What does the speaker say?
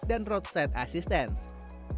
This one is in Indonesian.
dan juga bantuan perlindungan dari jalanan